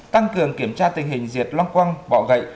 tăng cường kiểm tra tình hình diệt long quăng bọ gậy